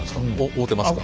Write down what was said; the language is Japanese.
合うてますか？